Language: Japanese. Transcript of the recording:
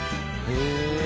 へえ！